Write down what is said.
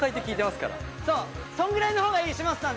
それぐらいの方がいい嶋佐さん絶対。